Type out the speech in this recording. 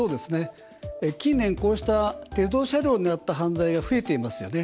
近年、こうした鉄道車両を狙った犯罪が増えていますよね。